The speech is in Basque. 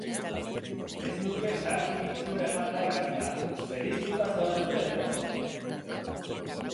Ez nuke sarkin itxura eman nahi baina, bereiztuta zaudete edo...?